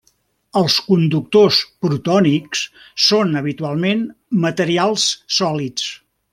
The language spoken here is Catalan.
Els conductors protònics són habitualment materials sòlids.